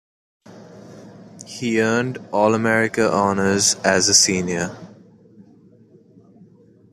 He earned All-America honors as a senior.